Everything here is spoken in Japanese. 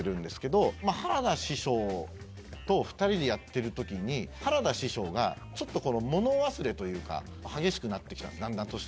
まぁ原田師匠と２人でやってるときに原田師匠がちょっと物忘れというか激しくなってきたんですだんだん年取ってきて。